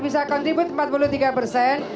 bisa kontribute empat puluh tiga persen